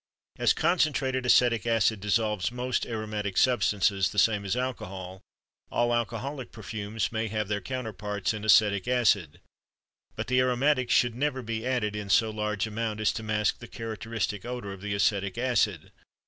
As concentrated acetic acid dissolves most aromatic substances the same as alcohol, all alcoholic perfumes may have their counterparts in acetic acid; but the aromatics should never be added in so large amount as to mask the characteristic odor of the acetic acid.